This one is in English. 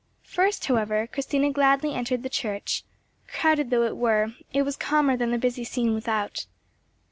First however Christina gladly entered the church. Crowded though it were, it was calmer than the busy scene without.